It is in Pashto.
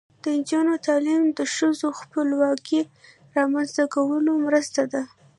د نجونو تعلیم د ښځو خپلواکۍ رامنځته کولو مرسته ده.